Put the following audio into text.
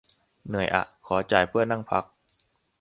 เหนื่อยอะ ขอจ่ายเพื่อนั่งพัก